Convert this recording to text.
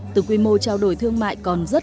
từ quy mô trao đổi thương mại còn rất